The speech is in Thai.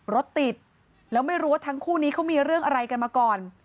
รถติดแล้วไม่รู้ว่าทั้งคู่นี้เขามีเรื่องอะไรกันมาก่อน